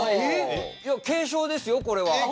軽症ですよこれは。